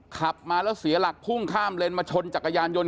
ขับมาแล้วเสียหลักพุ่งข้ามเลนมาชนจักรยานยนต